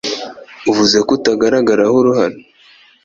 uvuze ko utagaragaraho uruhara